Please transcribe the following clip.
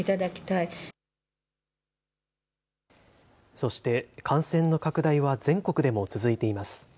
そして感染の拡大は全国でも続いています。